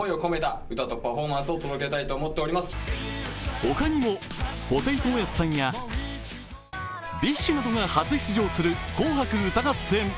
他にも、布袋寅泰さんやＢｉＳＨなどが初出場する「紅白歌合戦」。